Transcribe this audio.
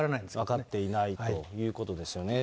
分かっていないということですよね。